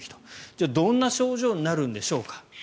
じゃあどんな症状になるんでしょうか。